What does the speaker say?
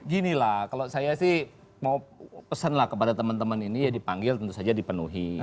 gini lah kalau saya sih mau pesen lah kepada teman teman ini ya dipanggil tentu saja dipenuhi